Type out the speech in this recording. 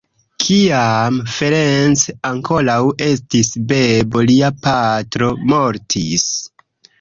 Kiam Ferenc ankoraŭ estis bebo, lia patro mortis.